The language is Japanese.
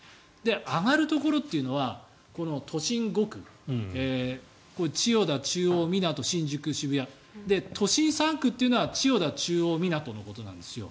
上がるところというのは都心５区千代田、中央、港、新宿、渋谷都心３区っていうのは千代田、中央、港のことなんですよ。